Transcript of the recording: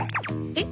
えっ？